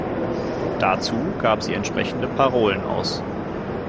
Dazu gab sie entsprechende Parolen aus.